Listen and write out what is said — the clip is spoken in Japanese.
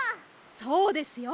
そうですよ。